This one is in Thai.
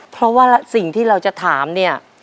เพราะว่าสิ่งที่เราจะถามเนี่ย